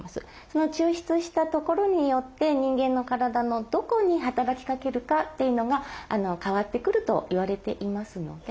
その抽出したところによって人間の体のどこに働きかけるかというのが変わってくると言われていますので。